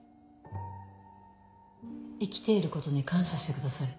生きていることに感謝してください。